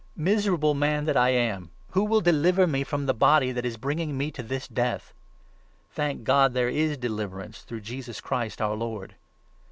Miserable man that I am ! Who will deliver me from 24 the body that is bringing me to this Death? Thank God, 25 there is deliverance through Jesus Christ, our Lord